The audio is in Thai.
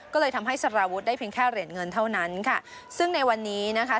ก็เลยทำให้สารวุฒิได้เพียงแค่เหรียญเงินเท่านั้นค่ะซึ่งในวันนี้นะคะ